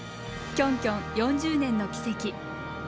キョンキョン４０年の軌跡。